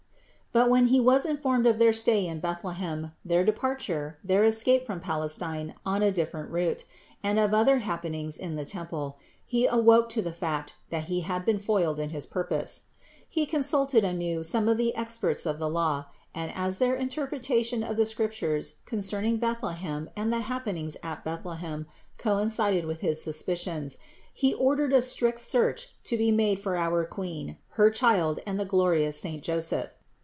But when he was informed of their stay in Bethlehem, their departure, their escape from Palestine on a different route, and of other happenings in the temple, he awoke to the fact that he had been foiled in his purpose. He consulted anew some of the experts of the Law; and as their interpretation of the Scriptures concerning Bethlehem and the happenings at Bethlehem coincided with his suspicions, he ordered a strict search to be made for our Queen, her Child and the glorious saint Joseph.